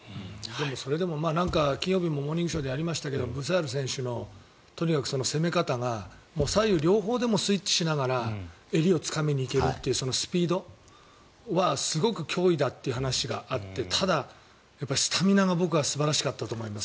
それでも金曜日も「モーニングショー」でやりましたがブシャール選手のとにかく攻め方が左右両方でもスイッチしながら襟をつかみに行けるというそのスピードはすごく脅威だという話があってただ、やっぱりスタミナが僕は素晴らしかったと思います